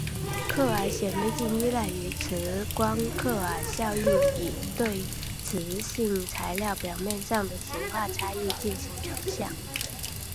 克尔显微镜依赖于磁光克尔效应以对磁性材料表面上的磁化差异进行成像。